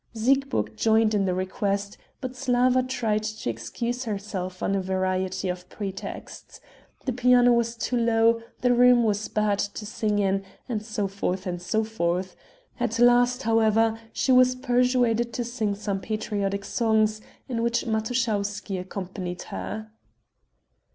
Siegburg joined in the request, but Slawa tried to excuse herself on a variety of pretexts: the piano was too low, the room was bad to sing in, and so forth and so forth ... at last, however, she was persuaded to sing some patriotic songs in which Matuschowsky accompanied her.